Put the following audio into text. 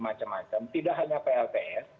macam macam tidak hanya plts